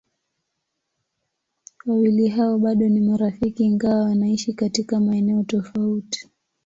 Wawili hao bado ni marafiki ingawa wanaishi katika maeneo tofauti.